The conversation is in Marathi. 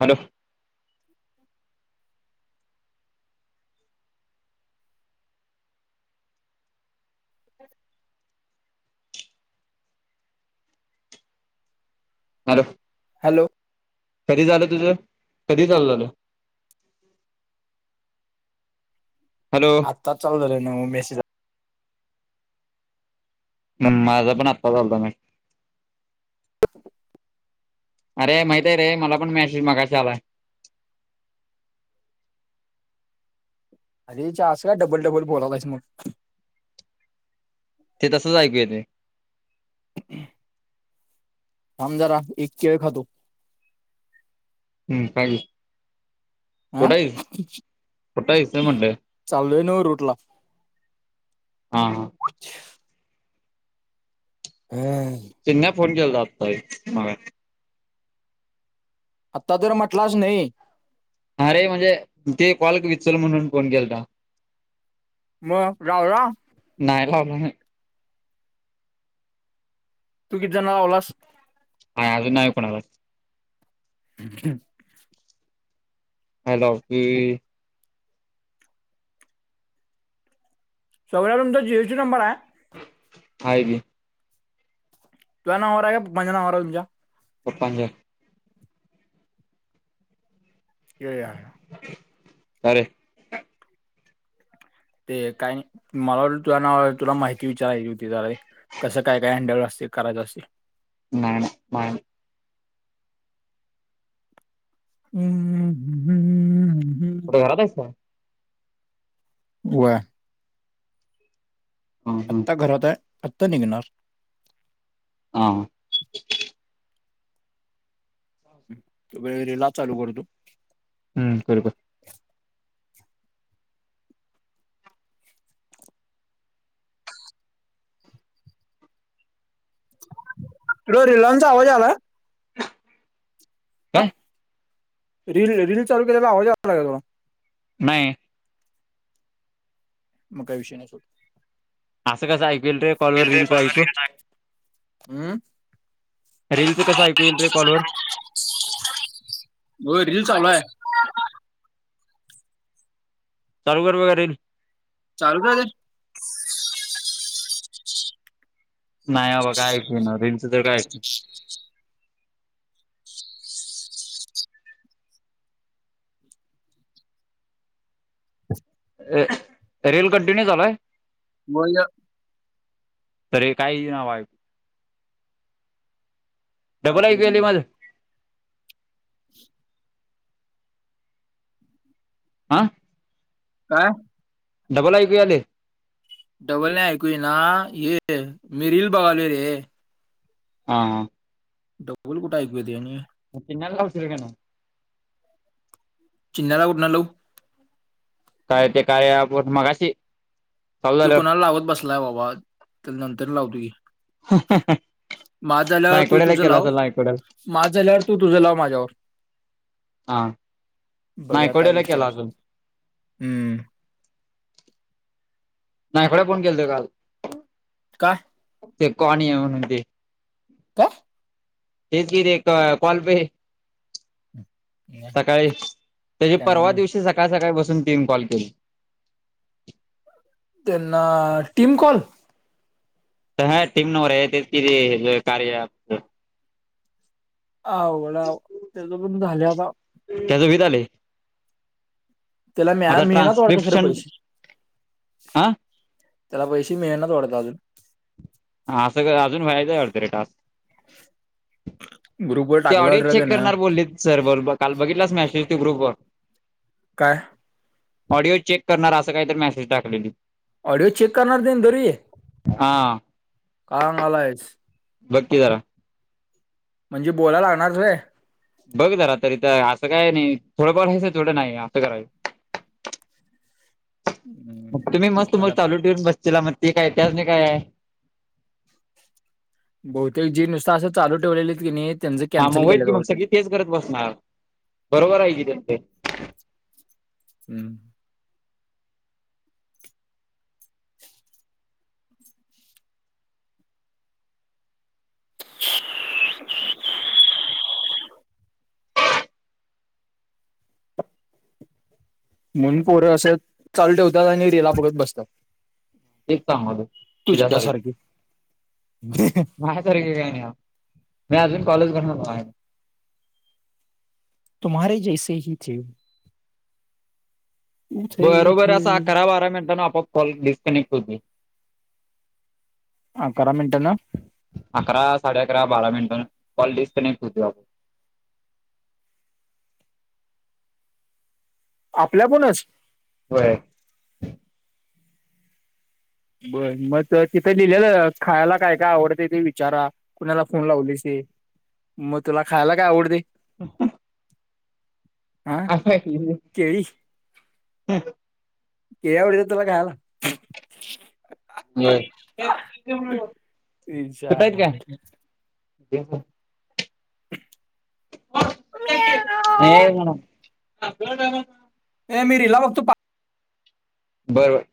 हालो? [inaudible] [inaudible] [unintelligible] हॅलो? कधी झालं तुझं, कधी चालू झालं? हॅलो? आत्ता चालू झालाय ना, [unintelligible] मेसेज. हम्म, माझा पण आत्ता चालू झालय. अरे माहित आहे रे, मला पण मॅसेज मगाशी आलाय. अरेच्चा, आस काय डबल-डबल बोलालायस मग? ते तसच ऐकू येतेय. [inaudible] थांब जरा एक केळ खातो. हम्म, काय. आ.. कुठं आहेस कुठं आहेस ते म्हटलं चाललोय नव्ह रूट ला. हा, हा. [unintelligible] त्यांना फोन केलता, आत्ता हे मगा- आता तर म्हटलाच नाही. अरे म्हणजे, ते कॉल विचल म्हणून फोन केलाता. मग झाला? नाय लावला नाय. तू किती जणांना लावलास? नाय अजून नाय कोणालाच. [inaudible] हॅलो, की. सौऱ्या तुमचा जी एस टी नंबर हाय? हा की. तुझ्या नावावर हाय का पप्पांच्या नाववर हाय तुझ्या? पप्पांच्या. [unintelligible] का रे? ते काय नाय मला वाटलं तुया नावावर आय तुला माहिती विचारायची होती जरा एक. कसं काय-काय हँडल असतंय करायचं असे. नाय नाय नाय. हम्म. [unintelligible] कुठ घरात हायस का? व्हय. हा आत्ता घरात हाय आत्ता निघणार. हां. वेळ रीला चालू करतो. हम्म कर कर. ब्रो रिलानचा आवाज आलाय? आ काय रील-रील चालू केल्याला आवाज यालाय का तुला? नाय. मग काय विषय नाय सोड. असं कसं ऐकू येईल रे कॉल वर रीलच ऐकू? हम्म रीलच कस ऐकू ईल रे कॉलवर? होय रिल चालू आय. चालू कर बर रील. चालूच हाय तर. नाय बाबा काय ऐकु ईना रिलचं तर काय रील कंटिन्यू चालू आय? बोल. तरी काय इना डबल चालतंय ऐकू याली रील. माझं? [inaudible] आं? काय? डबल ऐकू यालय? डबल नाय ऐकू इना हे मीर रील बघालूय रे. हां. डबल कुठ ऐकू येतंय आणि? म तिन्याला लावशील का नाय? चिन्याला कुठंन लाऊ? काय ते कार्या ॲप मगशी त्यो कोणाला लावत बसलाय बाबा तर नंतर लावतु की. माझं झाल्यावर तू नायकवड्याला तुझ केला लाव असेल नायकवड्याला माझ झाल्यावर तू तुझ लाव माझ्यावर. हा बघूया काय नायकवडेण विषय केला असतो अजून. हम्म. नायकवाड्यां फोन केलतां कां कां ते कोणी म्हणूंन अवं म्हणते कायं हेचं की एकां कॉल बॅक नाही, सकाळीं त्यांच्या त्यांना पर्वा नाही. दिवशी सकाळीं सकाळीं बसूंन तीनं कॉल केले त्यांना टीम कॉल हं टीम नवर तेचं किती कार्य ॲप अवघडे रांव त्यां पणं झालेता रांव त्याचं भीत आले त्यांला म मिळेना वाटते खरे ट्रान्स्क्रिप्शन पैसे हा त्यांला पैसे मिळत नां वडंत अजूंन हं असं अजूंन व्हायचं अर्धा टास्क [unintelligible] ग्रुपवर ते टाकला ऑडिओ रे चेक ना करणारं बोलली सरं बोलं कांल बघितलास मॅसेज तूं ग्रुप वरं कायं ऑडिओ चेक करणारं असं कांहींतरी मेसेज टाकला गुप वरं ऑडिओ चेक करणारं देन तरी हां हां मलां येतं बघं की जरां म्हणजे बोलां लागणारं रे बघं जरां तरीथ असं कायं नाहीं थोडं पार थोडं नाहीं असं करांय हम्म. मंग तुम्हीं मस्तं आता मंग चालूं ठेवूंन बसचेला मंग ते कायं त्यां नाहीं कायं आहे बहुतेक जी नुसतं असं चालूं ठेवलेलेत की नाहीं हां मंग होईल की मंग सगळीं तेचं करतं बसणारं बरोबर आहे की त्यां ते हम्मं म्हूंन पोरं असे चालूं ठेवतांत आणि रीलां बघतं बसतांत तेच सांगालोय. दृष्टा तुझ्यासारखी सारखें कां मी अजूंन कॉल भरणांर मायां तुम्हारें जैसेचं चे उथे बरोबर उथे असां अकरा बारा मिनिटांन अँप अँप कॉल डिस्कनेक्ट होते अकरा मिनिटं नं अकरा साडे अकरा बारा मिनिटां कॉल डिस्कनेक्ट होतो आपणं आपल्यां कूंणचं होयं बरं मंग तिथं लिहिलेलं खांयला कायं कायं आवडत ते विचारा कुणांला फोन लावलीस मंग तुलां खांयला कायं आवडते हं आं केळी हम्मं केळी आवडते तुलां खांयला होयं खांता ये इच्छा. कायं नाही [unintelligible] ए मी रिला बघतो [unintelligible] बर बर